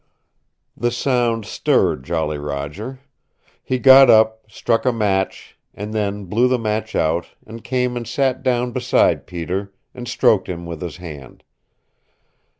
The sound stirred Jolly Roger. He got up, struck a match and then blew the match out, and came and sat down beside Peter, and stroked him with his hand.